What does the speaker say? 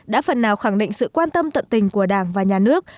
đã phần nào khẳng định sự quan tâm tận tình của đảng và nhà nước